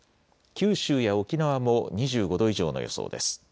九州や沖縄も２５度以上の予想です。